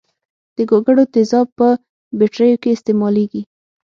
د ګوګړو تیزاب په بټریو کې استعمالیږي.